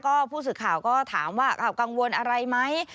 ก็ผู้สื่อข่าวก็ถามว่ากังวลอะไรไหม